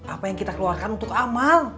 apa yang kita keluarkan untuk amal